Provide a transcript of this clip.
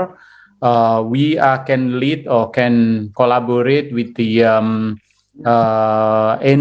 kami bisa memimpin atau berkolaborasi dengan